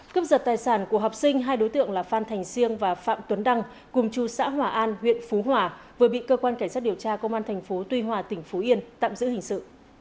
cấp giật tài sản của học sinh hai đối tượng là phan thành siêng và phạm tuấn đăng cùng chú xã hòa an huyện phú hòa vừa bị cơ quan cảnh sát điều tra công an thành phố tuy hòa tỉnh phú yên tạm giữ hình sự